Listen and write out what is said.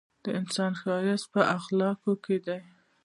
د انسان ښایست په اخلاقو کي دی!